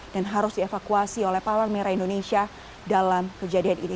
dan harus dievakuasi oleh pahlawan merah indonesia dalam kejadian ini